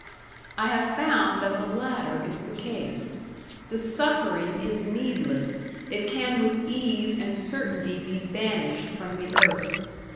I have found that the latter is the case; the suffering is needless, it can with ease and certainty be banished from the earth.